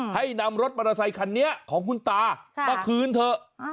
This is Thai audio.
ให้นำรถมอเตอร์ไซคันนี้ของคุณตามาคืนเถอะ